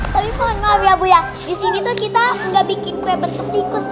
paling mohon maaf ya bu ya disini tuh kita nggak bikin kue bentuk tikus